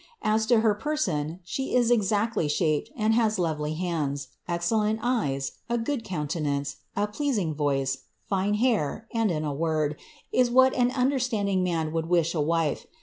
As to her person, she is exactly shaped, ud has lovely hands, excellent eyes, a good countenance, a pleasing ^(|ice, fine hair, and, in a word, is what an understanding man would *ifh a wife.